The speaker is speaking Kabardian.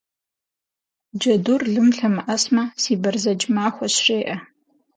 Джэдур лым лъэмыӏэсмэ, си бэрзэдж махуэщ, жеӏэ.